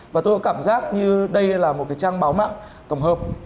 và tôi có cảm giác như đây là một cái trang báo mạng tổng hợp